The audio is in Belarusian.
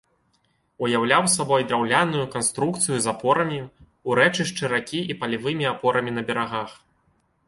Уяўляў сабой драўляную канструкцыю з апорамі ў рэчышчы ракі і палевымі апорамі на берагах.